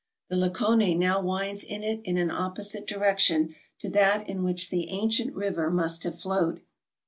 The Lekone now winds in it in an opposite direc tion to that in which the ancient river must have flowed.